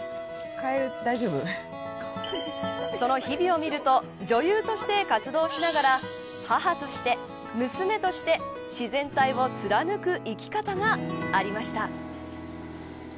その日々を見ると女優として活動しながら母として、娘として自然体を貫く生き方がありました。